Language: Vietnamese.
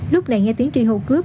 lúc này nghe tiếng tri hô cướp